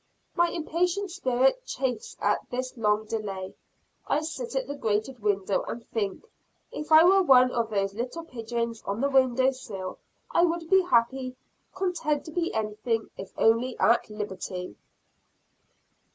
My impatient spirit chafes at this long delay. I sit at the grated window and think, if I were one of those little pigeons on the window sill I would be happy; content to be anything if only at liberty.